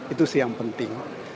itu sih yang penting